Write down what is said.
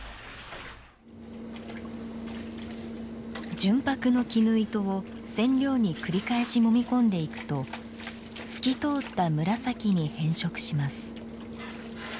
純白の絹糸を染料に繰り返しもみ込んでいくと、透き通った紫に変色します。